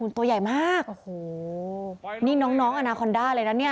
ตัวใหญ่มากโอ้โหนี่น้องน้องอนาคอนด้าเลยนะเนี่ย